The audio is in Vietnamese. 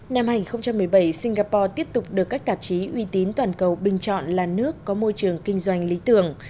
năm hai nghìn một mươi bảy singapore tiếp tục được các tạp chí uy tín toàn cầu bình chọn là nước có môi trường kinh doanh lý tưởng